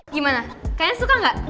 gimana kayaknya suka gak